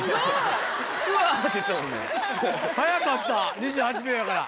早かった２８秒やから。